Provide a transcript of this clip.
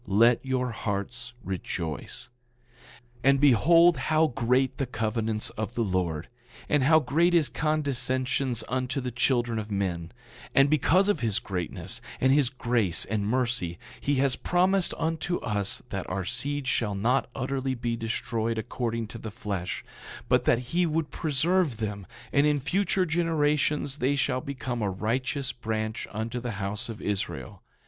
Let your hearts rejoice. 9:53 And behold how great the covenants of the Lord, and how great his condescensions unto the children of men; and because of his greatness, and his grace and mercy, he has promised unto us that our seed shall not utterly be destroyed, according to the flesh, but that he would preserve them; and in future generations they shall become a righteous branch unto the house of Israel.